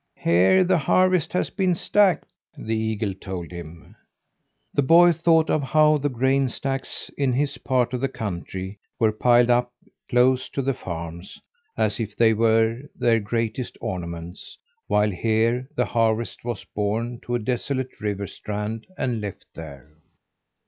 "Here the harvest has been stacked," the eagle told him. The boy thought of how the grain stacks in his part of the country were piled up close to the farms, as if they were their greatest ornaments, while here the harvest was borne to a desolate river strand, and left there.